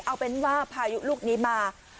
เอาเป็นว่าพายุลูกนี้มา